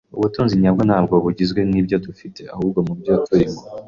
Ubutunzi nyabwo ntabwo bugizwe nibyo dufite, ahubwo mubyo turimo.